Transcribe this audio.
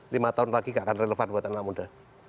lima tahun lagi gak akan relevan buat anak muda